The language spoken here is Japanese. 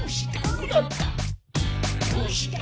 「どうして？